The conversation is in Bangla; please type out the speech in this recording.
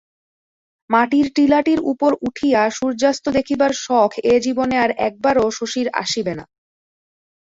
মাটির টিলাটির উপর উঠিয়া সূর্যস্ত দেখিবার শখ এ জীবনে আর একবারও শশীর আসিবে না।